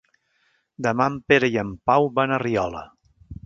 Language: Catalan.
Demà en Pere i en Pau van a Riola.